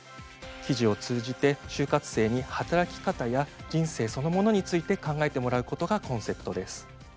記事を通じて就活生に働き方や人生そのものについて考えてもらうことがコンセプトです。